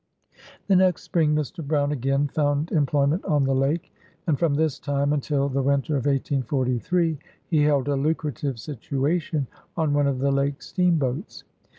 '* 7 The next spring, Mr. Brown again found employ ment on the lake, and from this time until the winter of 1843, he held a lucrative situation on one of the lake steamboats.